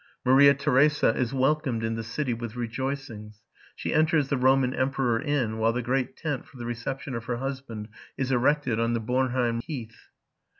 Maria Theresa is welcomed in the city with rejoicings: she enters the Roman Emperor Inn, while the great tent for the reception of her husband is erected on the Bornheim heath.